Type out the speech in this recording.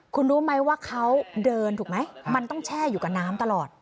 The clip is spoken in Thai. คุณรู้ไหมว่าเขาเดินถูกไหมมันต้องแช่อยู่กับน้ำตลอด